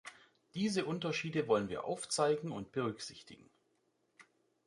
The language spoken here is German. Diese Unterschiede wollen wir aufzeigen und berücksichtigen.